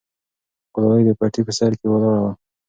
ګلالۍ د پټي په سر کې ولاړه وه.